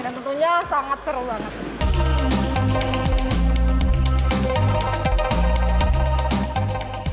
dan tentunya sangat seru banget